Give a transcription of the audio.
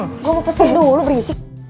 eh gue mau pesen dulu lo berisik